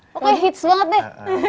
pokoknya hits banget deh